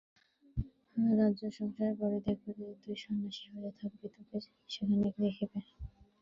রাজ্য সংসার পরিত্যাগ করিয়া তুই সন্ন্যাসী হইয়া থাকিবি, তোকে সেখানে কে দেখিবে?